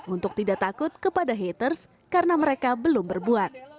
untuk tidak takut kepada haters karena mereka belum berbuat